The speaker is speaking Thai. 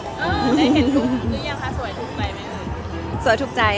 เห็นรึยังคะสวยถูกใจไหม